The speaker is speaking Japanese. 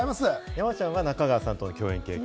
山ちゃんは、中川さんと共演経験？